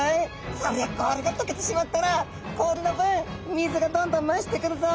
そりゃ氷が解けてしまったら氷の分水がどんどん増してくるぞい。